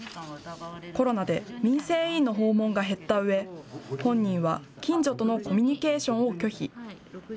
コロナで民生委員の訪問が減ったうえ本人は近所とのコミュニケーションを拒否。